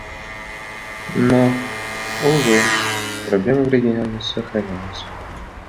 Но, увы, проблемы в регионе сохраняются.